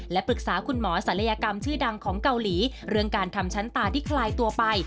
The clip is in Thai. และปรึกษาคุณหมอศัลยกรรมชื่อดังของเกาหลีเรื่องการทำชั้นตาที่คลายตัวไป